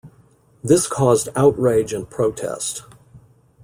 This caused outrage and protest.